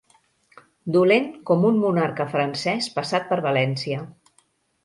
Dolent com un monarca francès passat per València.